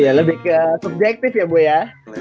iya lebih ke subjektif ya boh ya